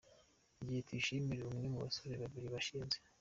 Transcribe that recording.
Igihe Tuyishimire, umwe mu basore babiri bashinze.